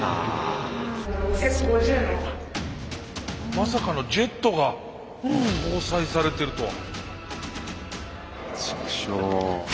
まさかのジェットが搭載されてるとは。